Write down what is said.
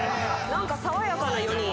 何か爽やかな４人。